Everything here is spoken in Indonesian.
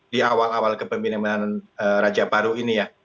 di awal awal kepemimpinan raja baru ini ya